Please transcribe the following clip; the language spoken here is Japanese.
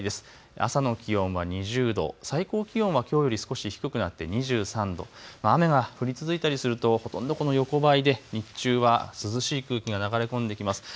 朝の気温は２０度、最高気温はきょうより少し低くなって２３度、雨が降り続いたりするとほとんど横ばいで日中は涼しい空気が流れ込んできます。